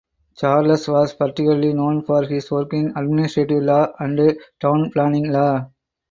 Charles was particularly known for his work in administrative law and town planning law.